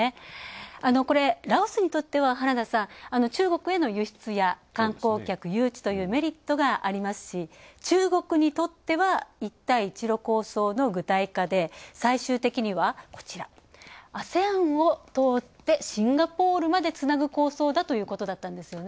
ラオスにとっては、原田さん、中国への輸出や観光客誘致というメリットがありますし中国にとっては、一帯一路構想の具体化で最終的にはＡＳＥＡＮを通ってシンガポールまでつなぐ構想だったということなんですね。